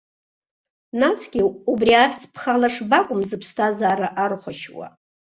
Насгьы убри ахьӡ бхала шбакәым зыԥсҭазаара архәашьуа.